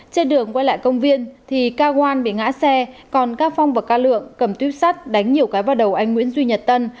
trên đường quay lại công viên thì kawan bị ngã xe còn ca phong và ca lượng cầm tuyếp sắt đánh nhiều cái vào đầu anh nguyễn duy nhật tân